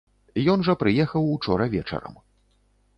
Ён жа прыехаў учора вечарам.